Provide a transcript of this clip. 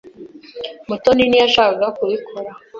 Mutoni ntiyashakaga kubikora.